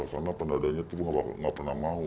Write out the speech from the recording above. karena pendadanya tuh nggak pernah mau